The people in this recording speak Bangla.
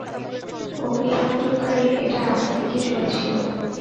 অগ্নিসংযোগকারী এটা আমার দিকে ছুড়েছিল।